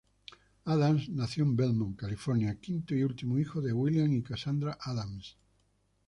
Adams nació en Belmont, California, quinto y último hijo de William y Cassandra Adams.